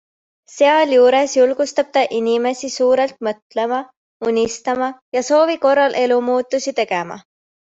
Sealjuures julgustab ta inimesi suurelt mõtlema, unistama ja soovi korral elumuutusi tegema.